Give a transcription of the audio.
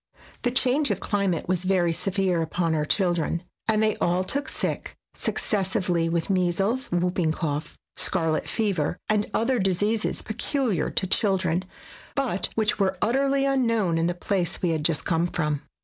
The change of climate was very severe upon our chil dren, and they all took sick, successively, with measles, whooping cough, scarlet fever SKETCHES OF TRAVEL and other diseases peculiar to children, but which were utterly unknown in the place we had just come from.